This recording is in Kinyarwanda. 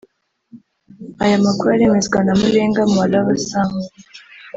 Aya makuru aremezwa na Mulenga Mwalaba Sam